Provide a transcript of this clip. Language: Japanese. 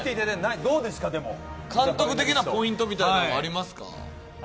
監督的なポイントみたいなものはありますか？